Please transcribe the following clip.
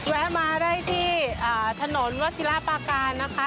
แวะมาได้ที่ถนนวศิลาปาการนะคะ